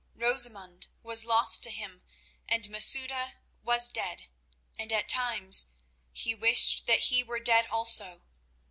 Rosamund was lost to him and Masouda was dead, and at times he wished that he were dead also.